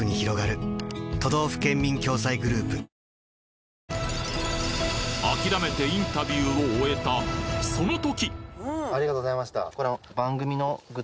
ダイハツ諦めてインタビューを終えたその時！